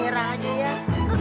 ya udah deh kak